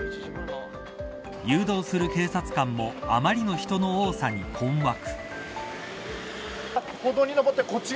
誘導する警察官もあまりの人の多さに困惑。